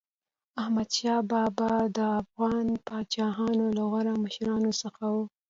احمدشاه بابا د افغان پاچاهانو له غوره مشرانو څخه و.